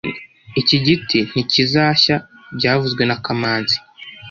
Iki giti ntikizashya byavuzwe na kamanzi